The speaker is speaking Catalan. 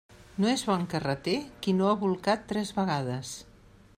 No és bon carreter qui no ha bolcat tres vegades.